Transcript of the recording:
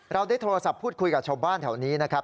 เราได้โทรศัพท์พูดคุยกับชาวบ้านแถวนี้นะครับ